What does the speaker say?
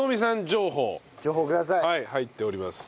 情報入っております。